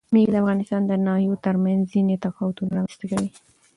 مېوې د افغانستان د ناحیو ترمنځ ځینې تفاوتونه رامنځ ته کوي.